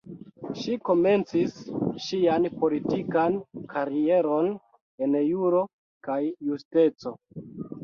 Ŝi komencis ŝian politikan karieron en Juro kaj Justeco.